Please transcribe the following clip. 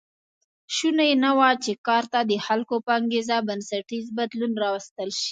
شونې نه وه چې کار ته د خلکو په انګېزه بنسټیز بدلون راوستل شي